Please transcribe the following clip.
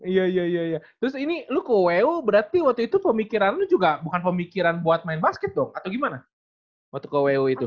iya iya terus ini lo ke wo berarti waktu itu pemikiran lu juga bukan pemikiran buat main basket dong atau gimana waktu ke wo itu